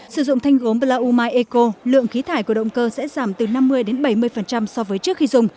sử dụng thanh gốm blaumai eco lượng khí thải của động cơ sẽ giảm từ năm mươi bảy mươi so với trước khi dùng